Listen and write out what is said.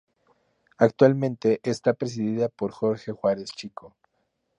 Actualmente está presidida por Jorge Juárez Chico.